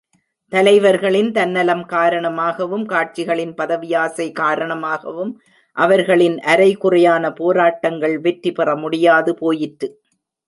தலைவர்களின் தன்னலம் காரணமாகவும் கட்சிகளின் பதவி ஆசை காரணமாகவும் அவர்களின் அரைகுறையான போராட்டங்கள் வெற்றி பெற முடியாது போயிற்று.